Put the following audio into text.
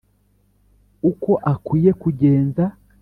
uko akwiye kugenza,